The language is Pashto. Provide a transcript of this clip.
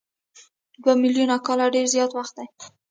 دوه میلیونه کاله ډېر زیات وخت دی.